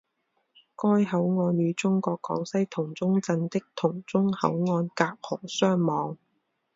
该口岸与中国广西峒中镇的峒中口岸隔河相望。